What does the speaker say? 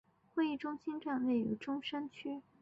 会议中心站位于中山区。